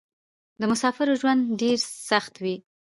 د مسافرو ژوند ډېر سخت وې.